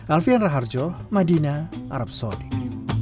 alfian raharjo madinah arabsolid